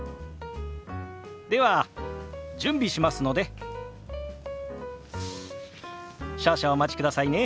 では準備しますので少々お待ちくださいね。